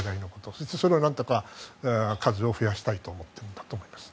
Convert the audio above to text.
そして、それを何とか数を増やしたいと思っているんだと思います。